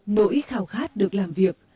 nỗi khảo khát được làm việc